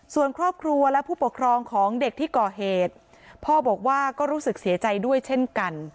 ส่วนครอบครัวและผู้ปกครองของเด็กที่ก่อเหตุพ่อบอกว่าก็รู้สึกเสียใจด้วยเช่นกัน